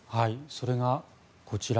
それがこちら。